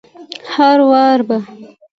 هروار به